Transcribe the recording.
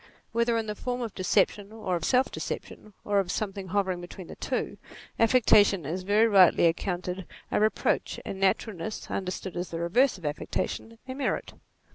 Whether in the form of deception or of self deception, or of something hovering between the two, affectation is very rightly accounted a reproach, and naturalness, understood as the reverse of affectation, a merit.